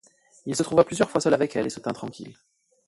Il se trouva plusieurs fois seul avec elle et se tint tranquille.